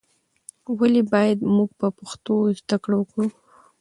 ولې باید موږ په پښتو زده کړه وکړو؟